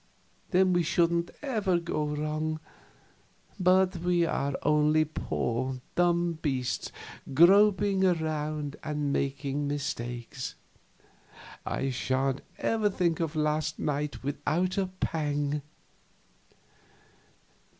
Then we shouldn't ever go wrong; but we are only poor, dumb beasts groping around and making mistakes. I sha'n't ever think of last night without a pang."